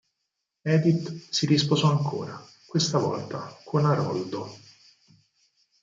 Edith si risposò ancora, questa volta con Aroldo.